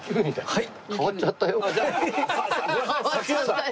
はい。